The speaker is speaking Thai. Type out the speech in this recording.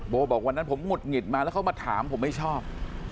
บอกวันนั้นผมหุดหงิดมาแล้วเขามาถามผมไม่ชอบ